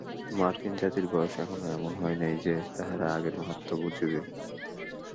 মার্কিন জাতির বয়স এখনও এমন হয় নাই যে, তাহারা ত্যাগের মাহাত্ম বুঝিবে।